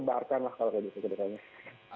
kebarkan lah kalau bisa